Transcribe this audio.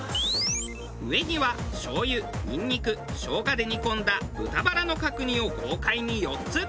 上には醤油ニンニク生姜で煮込んだ豚バラの角煮を豪快に４つ。